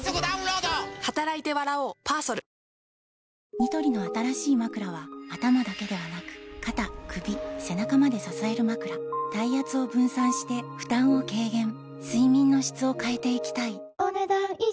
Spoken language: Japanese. ニトリの新しいまくらは頭だけではなく肩・首・背中まで支えるまくら体圧を分散して負担を軽減睡眠の質を変えていきたいお、ねだん以上。